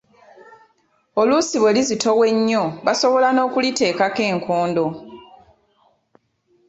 Oluusi bwe lizitowa ennyo basobola n’okuliteekako enkondo.